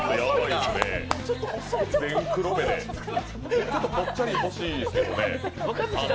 もうちょっとぽっちゃり、欲しいですけどね。